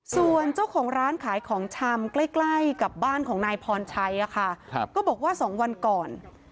ส่วนเจ้าของร้านขายของชำใกล้ใกล้กับบ้านของนายพรชัยก็บอกว่า๒วันก่อน